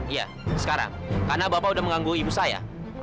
iya sekarang karena bapak sudah mengganggu ibu saya